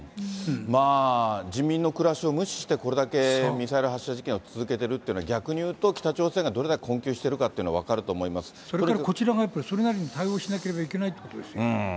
まあ、人民の暮らしを無視してこれだけミサイル発射実験を続けているというのは、逆にいうと北朝鮮がどれだけ困窮しているかというのがそれからこちらがやっぱり、それなりに対応しなければいけないということですよ。